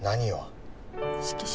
色紙。